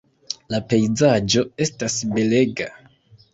La pejzaĝo estas belega.